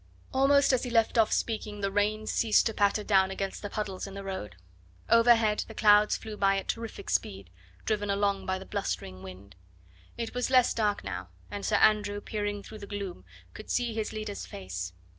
Almost as he left off speaking the rain ceased to patter down against the puddles in the road. Overhead the clouds flew by at terrific speed, driven along by the blustering wind. It was less dark now, and Sir Andrew, peering through the gloom, could see his leader's face.